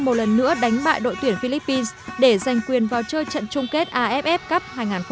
một lần nữa đánh bại đội tuyển philippines để giành quyền vào chơi trận chung kết aff cup hai nghìn một mươi tám